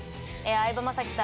相葉雅紀さん